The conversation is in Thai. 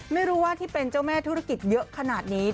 ไม่รู้ว่าที่เป็นเจ้าแม่ธุรกิจเยอะขนาดนี้